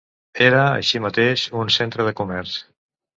Era, així mateix, un centre de comerç.